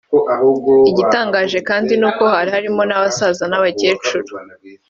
Igitangaje kandi ni uko hari harimo n’abasaza n’abakecuru